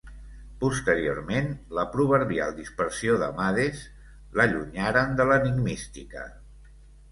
Posteriorment la proverbial dispersió d'Amades l'allunyaran de l'enigmística.